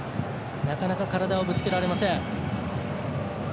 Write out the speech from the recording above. なかなか体をぶつけられません。